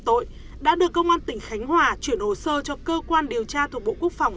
tội đã được công an tỉnh khánh hòa chuyển hồ sơ cho cơ quan điều tra thuộc bộ quốc phòng